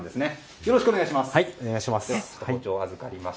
よろしくお願いします。